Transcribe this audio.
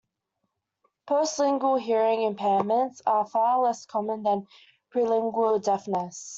Post-lingual hearing impairments are far less common than prelingual deafness.